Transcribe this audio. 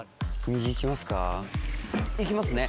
右行きますか？